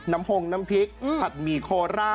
น้ำโพงน้ำพริกผัดหมี่โคราต